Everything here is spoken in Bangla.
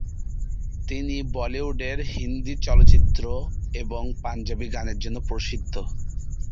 তিনি বলিউডের হিন্দি চলচ্চিত্র এবং পাঞ্জাবি গানের জন্য প্রসিদ্ধ।